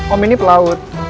om ini pelaut